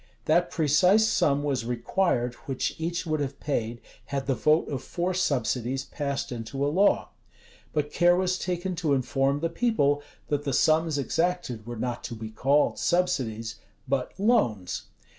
That precise sum was required which each would have paid, had the vote of four subsidies passed into a law: but care was taken to inform the people, that the sums exacted were not to be called subsidies, but loans.